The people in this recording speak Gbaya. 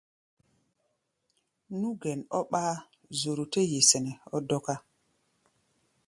Nú gɛn ɔ́ ɓáá, zoro tɛ́ ye sɛnɛ ɔ́ dɔ́ká.